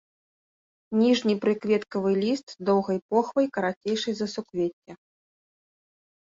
Ніжні прыкветкавы ліст з доўгай похвай, карацейшы за суквецце.